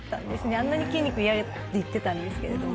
あんなに筋肉嫌って言ってたんですけれども。